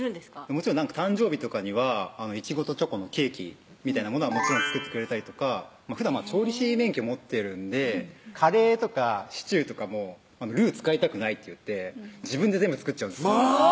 もちろん誕生日とかにはいちごとチョコのケーキみたいなものはもちろん作ってくれたりとかふだん調理師免許持ってるんでカレーとかシチューとかも「ルー使いたくない」って言って自分で全部作っちゃうんですまぁ！